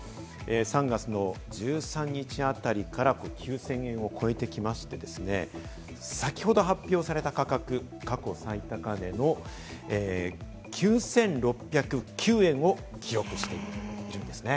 ３月の１３日あたりから９０００円を超えてきまして、先ほど発表された価格、過去最高値の９６０９円を記録しているんですね。